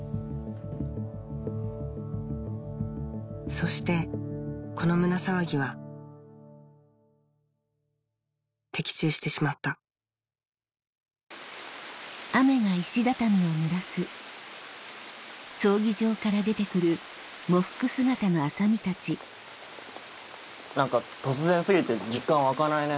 そしてこの胸騒ぎは的中してしまった何か突然過ぎて実感湧かないね。